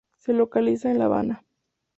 Se localiza en La Habana.